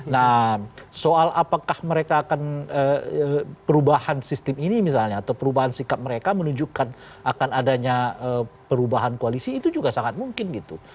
nah soal apakah mereka akan perubahan sistem ini misalnya atau perubahan sikap mereka menunjukkan akan adanya perubahan koalisi itu juga sangat mungkin gitu